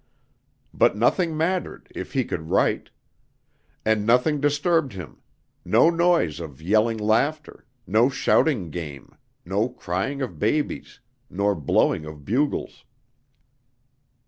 But nothing mattered, if he could write. And nothing disturbed him; no noise of yelling laughter, no shouting game, no crying of babies, nor blowing of bugles.